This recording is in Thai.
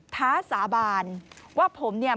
ท้าสาบานว่าผมเนี่ย